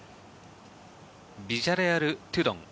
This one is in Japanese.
ビジャレアル・トゥドン。